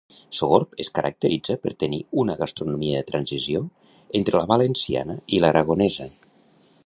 Sogorb es caracteritza per tenir una gastronomia de transició entre la valenciana i l'aragonesa.